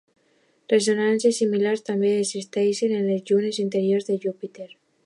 Ressonàncies similars també existeixen en les llunes interiors de Júpiter.